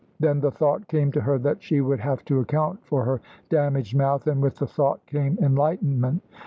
Then the thought came to her that she would have to account for her damaged mouth, and with the thought came enlightenment.